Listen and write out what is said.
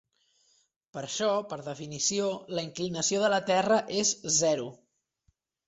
Per això, per definició, la inclinació de la terra és zero.